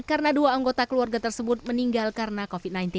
karena dua anggota keluarga tersebut meninggal karena covid sembilan belas